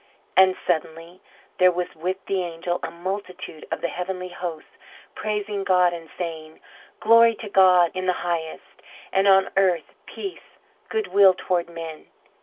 And suddenly there was with the angel a multitude of the heavenly host praising God and saying: Glory to God in the highest, And on earth peace, Good will toward men.